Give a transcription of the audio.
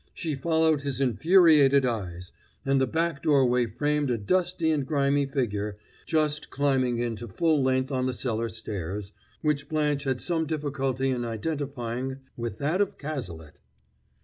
She followed his infuriated eyes; and the back doorway framed a dusty and grimy figure, just climbing into full length on the cellar stairs, which Blanche had some difficulty in identifying with that of Cazalet.